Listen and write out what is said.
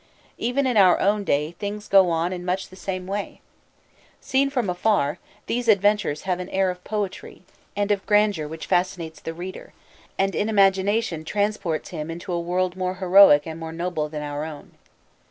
Even in our own day things go on in much the same way. Seen from afar, these adventures have an air of poetry and of grandeur which fascinates the reader, and in imagination transports him into a world more heroic and more noble than our own.